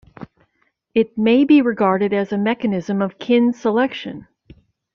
It may be regarded as a mechanism of kin selection.